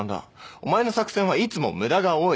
お前の作戦はいつも無駄が多い。